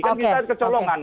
kan kita kecolongan